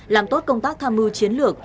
làm tốt công tác tham mưu chiến lược